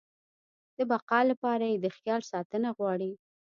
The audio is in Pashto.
د بقا لپاره يې د خیال ساتنه غواړي.